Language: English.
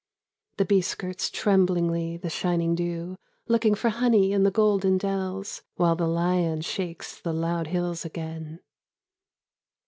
The bee skirts tremblingly the shining dew Looking for honey in the golden dells. While the lion shakes the loud hills again.